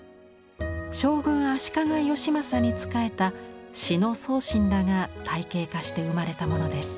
将軍足利義政に仕えた志野宗信らが体系化して生まれたものです。